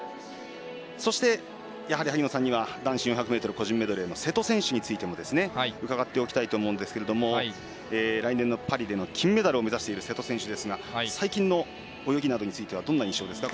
そして、やはり萩野さんには男子４００ｍ個人メドレーの瀬戸選手についても伺っておきたいと思うんですけれども来年のパリでの金メダルを目指してる瀬戸選手ですが最近の泳ぎなどについてはどんな印象ですか？